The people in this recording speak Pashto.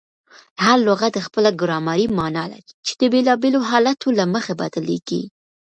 هر لغت خپله ګرامري مانا لري، چي د بېلابېلو حالتو له مخي بدلیږي.